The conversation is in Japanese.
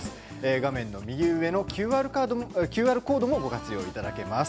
画面の右上のＱＲコードもご活用いただけます。